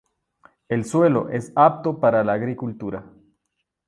El suelo es apto para la agricultura.